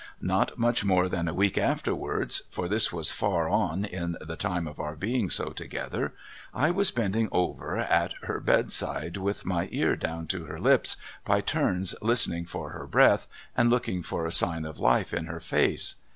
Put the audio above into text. Not much more than a week afterwards — for this was far on in the time of our being so together — I was bending over at her I)L'dside with my ear down to her hps, by turns hstening for her breath and looking for a sign of life in her face.